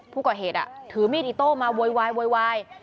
ผู้ก่อเหตุถือมีดอิโต้มาโวยวาย